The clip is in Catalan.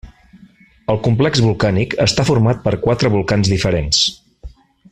El complex volcànic està format per quatre volcans diferents.